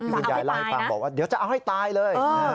พี่คุณยายไล่ปากบอกว่าเดี๋ยวจะเอาให้ตายเลย